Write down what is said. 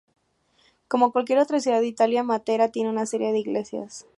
Como cualquier otra ciudad de Italia, Matera tiene una serie de iglesias.